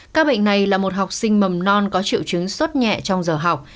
các bệnh này là một học sinh mầm non có triệu chứng sốt nhẹ trong giờ học